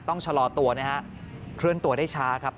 ต้องชะลอตัวนะฮะเคลื่อนตัวได้ช้าครับ